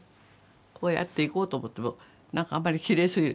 こうやって行こうと思っても何かあんまりきれいすぎる。